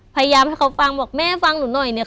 พยายามให้เขาฟังบอกแม่ฟังหนูหน่อยเนี่ย